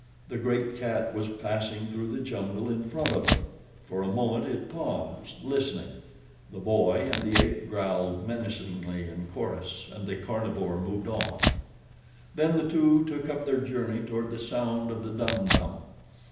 The great cat was passing through the jungle in front of them. For a moment it paused, listening. The boy and the ape growled menacingly in chorus and the carnivore moved on. Then the two took up their journey toward the sound of the Dum Dum.